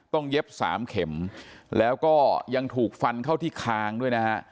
เย็บสามเข็มแล้วก็ยังถูกฟันเข้าที่คางด้วยนะฮะ